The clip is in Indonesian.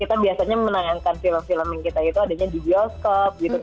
kita biasanya menayangkan film film yang kita itu adanya di bioskop gitu